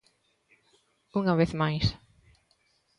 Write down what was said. ¡Unha vez máis!